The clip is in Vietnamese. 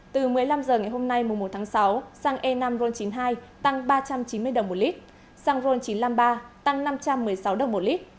từ một mươi năm h ngày hôm nay mùa một tháng sáu xăng e năm ron chín mươi hai tăng ba trăm chín mươi đồng một lít xăng ron chín trăm năm mươi ba tăng năm trăm một mươi sáu đồng một lít